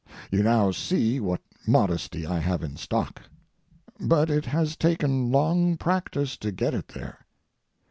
You now see what modesty I have in stock. But it has taken long practice to get it there.